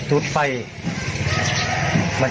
จัดกระบวนพร้อมกัน